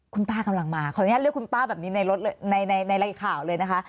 คุณป้ากำลังมาขออนุญาตเรียกคุณป้าแบบนี้ในรถในข่าวเลยนะคะ